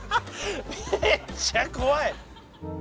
めっちゃ怖い！